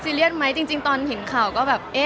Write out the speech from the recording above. ก็ซีเรียสไหมจริงตอนเห็นข่าวก็แบบ